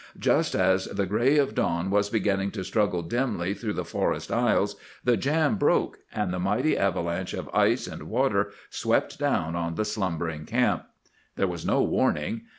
Just as the gray of dawn was beginning to struggle dimly through the forest aisles, the jam broke, and the mighty avalanche of ice and water swept down on the slumbering camp. "There was no warning.